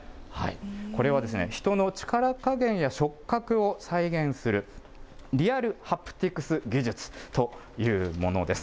これは人の力加減や触角を再現するリアルハプティクス技術というものです。